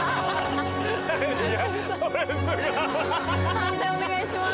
判定お願いします。